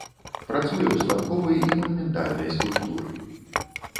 Працуе ў станковай і манументальнай скульптуры.